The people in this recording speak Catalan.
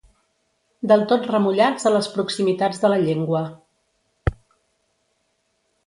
Del tot remullats a les proximitats de la llengua.